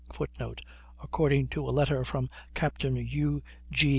[Footnote: According to a letter from Captain Hugh G.